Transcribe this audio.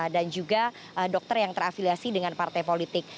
dan juga dokter yang terafiliasi dengan partai politik